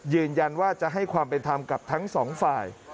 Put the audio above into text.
ยืนยันว่าจะให้ความเป็นธรรมกับทั้งสองฝ่าย